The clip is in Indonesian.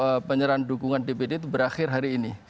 karena penyerahan dukungan dpd itu berakhir hari ini